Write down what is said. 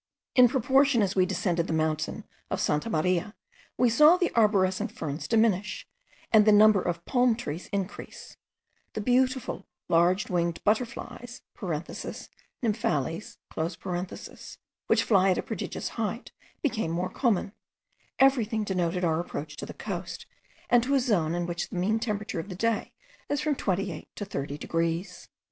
In proportion as we descended the mountain of Santa Maria, we saw the arborescent ferns diminish, and the number of palm trees increase. The beautiful large winged butterflies (nymphales), which fly at a prodigious height, became more common. Everything denoted our approach to the coast, and to a zone in which the mean temperature of the day is from 28 to 30 degrees.